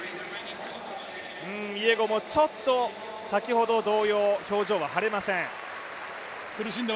イエゴも先ほど同様表情は晴れません。